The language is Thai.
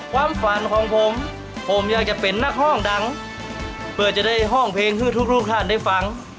ความฝันของผมผมอยากจะเป็นนักห้องดังเพื่อจะได้ห้องเพลงเพื่อทุกท่านได้ฟัง